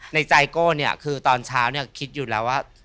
ในใจโก้เนี่ยคือตอนเช้าเนี่ยคิดอยู่แล้วว่า